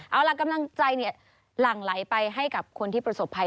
เอาล่ะกำลังใจหลั่งไหลไปให้กับคนที่ประสบภัย